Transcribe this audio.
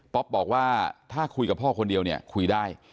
บอกว่าถ้าคุยกับพ่อคนเดียวเนี่ยคุยได้